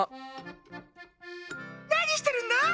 なにしてるんだ？